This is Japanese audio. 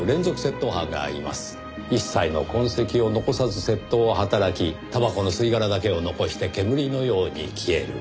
一切の痕跡を残さず窃盗を働きたばこの吸い殻だけを残して煙のように消える。